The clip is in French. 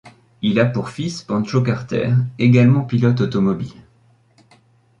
Il a pour fils Pancho Carter, également pilote automobile.